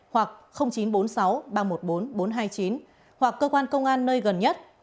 hoặc chín trăm bốn mươi sáu ba trăm một mươi bốn bốn trăm hai mươi chín hoặc cơ quan công an nơi gần nhất